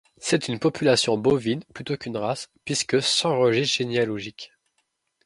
C'est une population bovine plutôt qu'une race, puisque sans registre généalogique.